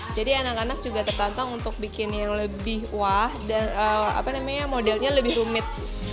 jadi anak anak juga tertentang untuk bikin yang lebih wah dan modelnya lebih rumit